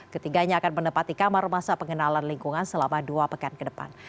ketiganya akan menempati kamar masa pengenalan lingkungan selama dua pekan ke depan